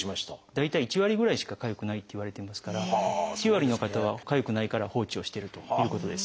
大体１割ぐらいしかかゆくないっていわれてますから９割の方はかゆくないから放置をしてるということです。